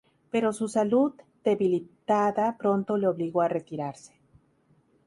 Pero su salud debilitada pronto le obligó a retirarse.